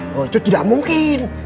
cucu tidak mungkin